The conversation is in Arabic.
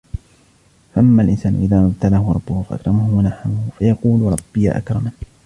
فَأَمَّا الْإِنسَانُ إِذَا مَا ابْتَلَاهُ رَبُّهُ فَأَكْرَمَهُ وَنَعَّمَهُ فَيَقُولُ رَبِّي أَكْرَمَنِ